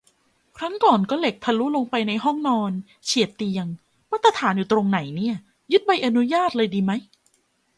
ครั้งก่อนก็เหล็กทะลุลงไปในห้องนอน เฉียดเตียง มาตรฐานอยู่ตรงไหนเนี่ย ยึดใบอนุญาตเลยดีไหม